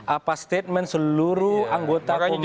apa statement seluruh anggota komisi tiga itu